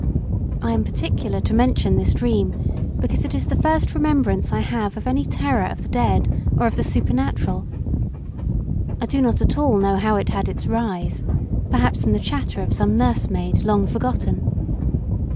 I am particular to mention this dream because it is the first remembrance I have of any terror of the dead, or of the supernatural. I do not at all know how it had its rise; perhaps in the chatter of some nurse maid, long forgotten.